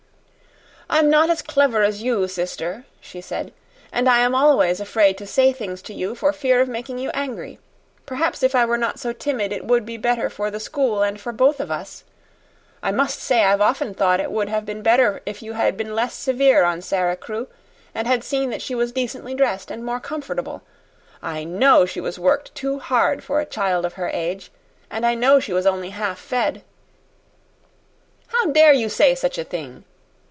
"I'm not as clever as you, sister," she said, "and I am always afraid to say things to you for fear of making you angry. Perhaps if I were not so timid it would be better for the school and for both of us. I must say I've often thought it would have been better if you had been less severe on Sara Crewe, and had seen that she was decently dressed and more comfortable. I KNOW she was worked too hard for a child of her age, and I know she was only half fed " "How dare you say such a thing!"